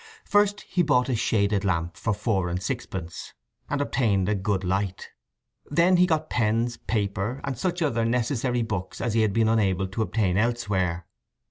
First he bought a shaded lamp for four and six pence, and obtained a good light. Then he got pens, paper, and such other necessary books as he had been unable to obtain elsewhere.